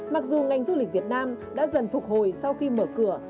mặc dù ngành du lịch việt nam đã dần phục hồi sau khi mở cửa